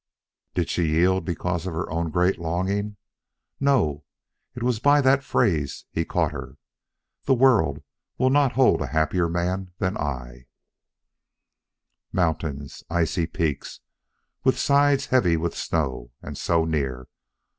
Did she yield because of her own great longing? No, it was by that phrase he caught her: The world will not hold a happier man than I. Mountains! Icy peaks, with sides heavy with snow! And so near!